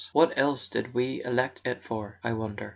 What else did we elect it for, I wonder?"